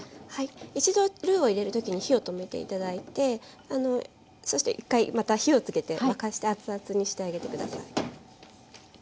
一度ルーを入れるときに火を止めていただいてそして１回また火をつけて沸かして熱々にしてあげてください。